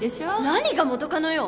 何が元カノよ！